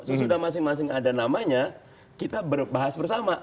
sesudah masing masing ada namanya kita bahas bersama